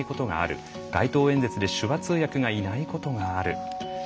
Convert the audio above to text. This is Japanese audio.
街頭演説で手話通訳がいないことがある。